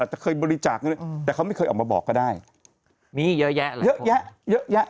จะเคยบริจาคเงินแต่เขาไม่เคยออกมาบอกก็ได้มีเยอะแยะเลยเยอะแยะเยอะแยะ